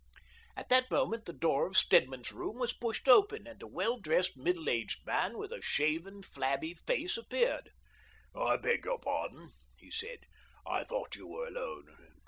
At that moment the door of Stedman's room was pushed open and a well dressed, middle aged man, with a shaven, flabby face, appeared. " I beg pardon," he said, " I thought you were alone.